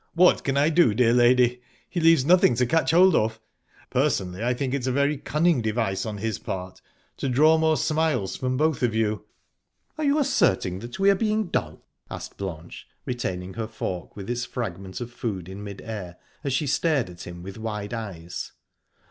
"What can I do, dear lady? He leaves nothing to catch hold of. Personally, I think it is a very cunning device on his part to draw more smiles from both of you." "Are you asserting that we are being dull?" asked Blanche, retaining her fork with its fragment of food in mid air, as she stared at him with wide eyes.